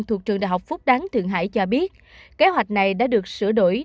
thuộc trường đại học phúc đáng thượng hải cho biết kế hoạch này đã được sửa đổi